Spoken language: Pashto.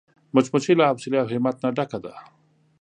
مچمچۍ له حوصلې او همت نه ډکه ده